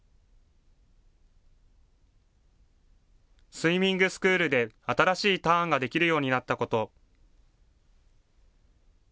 スイミングスクールで新しいターンができるようになったこと。